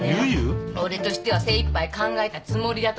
俺としては精いっぱい考えたつもりだとかね。